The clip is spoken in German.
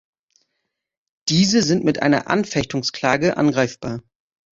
Diese sind mit einer Anfechtungsklage angreifbar.